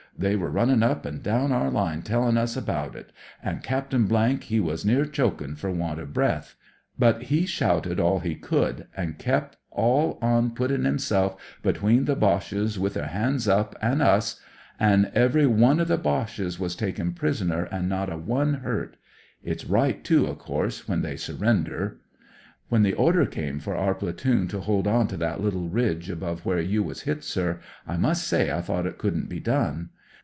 They were runnin' up an' down our line tellin' us about it, an' Captain , he was near choking for want of breath; but he shouted all he could, and kep' all on putting himself between the Boches with their hands up and us, an' every one o CLOSE QUARTERS I they Boches was taken prisoner, and not a one hurt It's right, too, of course, when they surrender. '* When the order came for our platoon to hold on to that litUe ridge above where you was hit, sir, I must say I thought it couldn't be done.